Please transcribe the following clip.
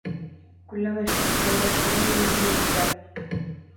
كلما اشتقت يا خليلي نجدا